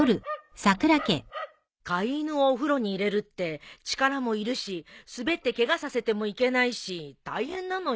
飼い犬をお風呂に入れるって力もいるし滑ってケガさせてもいけないし大変なのよ。